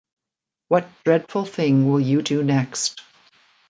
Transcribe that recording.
What dreadful thing will you do next?